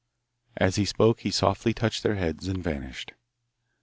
As he spoke he softly touched their heads and vanished.